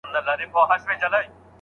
يوسف سورت يوسلو يوولس اياتونه لري.